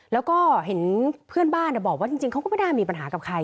แล้วก็เห็นเพื่อนบ้านบอกว่าจริงเขาก็ไม่น่ามีปัญหากับใคร